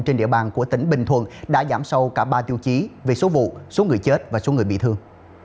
trên địa bàn của tỉnh bình thuận đã giảm sâu cả ba tiêu chí về số vụ số người chết và số người bị thương